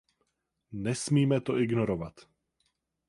Nesmíme to ignorovat.